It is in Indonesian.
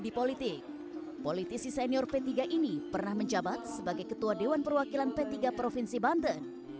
dan kini menjabat sebagai ketua dewan perwakilan p tiga provinsi banten